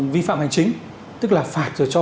vi phạm hành chính tức là phạt rồi cho